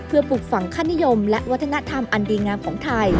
เพื่อปลูกฝังค่านิยมและวัฒนธรรมอันดีงามของไทย